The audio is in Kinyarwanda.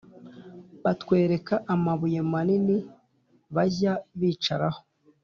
batwereka amabuye manini bajya bicaraho